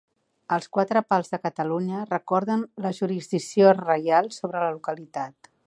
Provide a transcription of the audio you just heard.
Els quatre pals de Catalunya recorden la jurisdicció reial sobre la localitat.